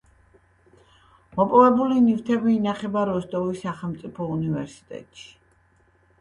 მოპოვებული ნივთები ინახება როსტოვის სახელმწიფო უნივერსიტეტში.